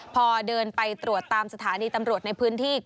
พอเดินไปตรวจตามสถานีตำรวจในพื้นที่